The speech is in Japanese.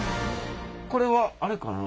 これはあれかな？